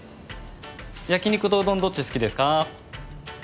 焼き肉とうどんどっち好きですか？